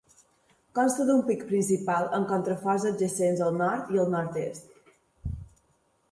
Consta d'un pic principal amb contraforts adjacents al nord i al nord-est.